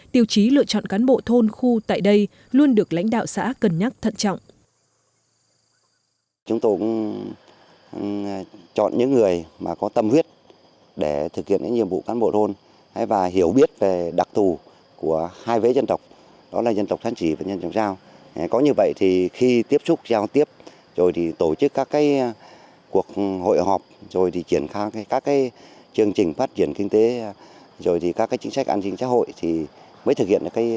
tiêu chí lựa chọn cán bộ thôn khu tại đây luôn được lãnh đạo xã cân nhắc thận trọng